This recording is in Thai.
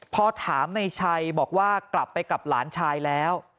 พอถามในชัยบอกว่ากลับไปกับหลานชายแล้ว